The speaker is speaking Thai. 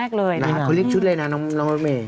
เขาเรียกชุดเลยนะน้องรถเมย์